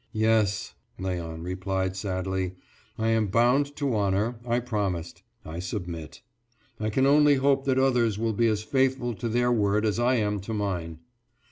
"Yes," Léon replied sadly. "I am bound to honor, I promised, I submit. I can only hope that others will be as faithful to their word as I am to mine."